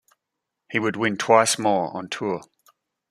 He would win twice more on tour.